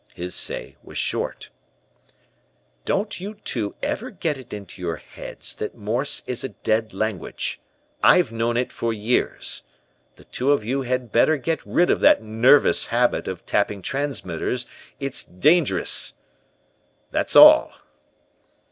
His say was short. "'Don't you two ever get it into your heads that Morse is a dead language. I've known it for years. The two of you had better get rid of that nervous habit of tapping transmitters; it's dangerous. That's all.'